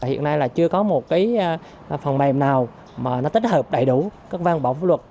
hiện nay là chưa có một cái phần mềm nào mà nó tích hợp đầy đủ các văn bản pháp luật